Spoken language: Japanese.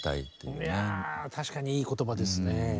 いやぁ確かにいい言葉ですね。